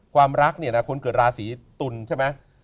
ความรักเนี่ยนะคนเกิดราศีตุลใช่ไหม